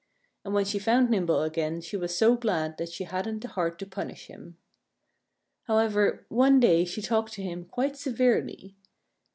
And when she found Nimble again she was so glad that she hadn't the heart to punish him. However, one day she talked to him quite severely.